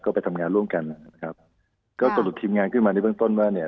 ก็ไปทำงานร่วมกันนะครับก็สรุปทีมงานขึ้นมาในเบื้องต้นว่าเนี่ย